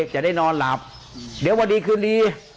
จะได้นอนหลับเดี๋ยววันดีคืนดี